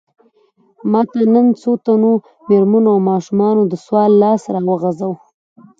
ماته نن څو تنو مېرمنو او ماشومانو د سوال لاس راوغځاوه.